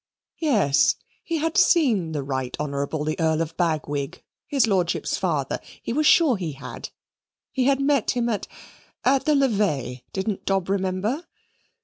Yes, he had seen the Right Honourable the Earl of Bagwig, his lordship's father; he was sure he had, he had met him at at the Levee didn't Dob remember?